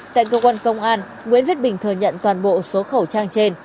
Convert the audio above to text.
tại cơ quan công an nguyễn viết bình thừa nhận toàn bộ số khẩu trang trên